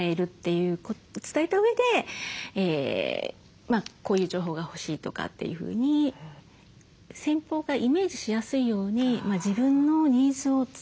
伝えたうえでこういう情報が欲しいとかっていうふうに先方がイメージしやすいように自分のニーズを伝えるというのが大事ですね。